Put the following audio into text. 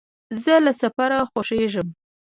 زه له سفر خوښېږم.